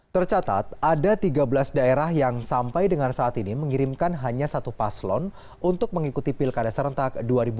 tercatat ada tiga belas daerah yang sampai dengan saat ini mengirimkan hanya satu paslon untuk mengikuti pilkada serentak dua ribu delapan belas